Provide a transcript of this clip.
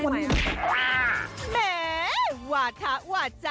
แหมหวาดทะหวาดจ่ะ